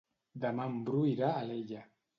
Demà en Bru irà a Alella.